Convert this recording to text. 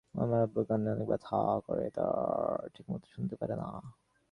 আমার আব্বুর কানে অনেক ব্যথা করে আর ঠিকমত শুনতে পারে না।